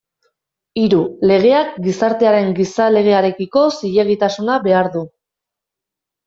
Hiru, legeak gizartearen gizalegearekiko zilegitasuna behar du.